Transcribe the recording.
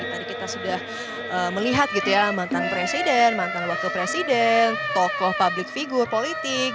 tadi kita sudah melihat gitu ya mantan presiden mantan wakil presiden tokoh publik figur politik